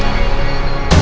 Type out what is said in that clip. biarkan saja seperti itu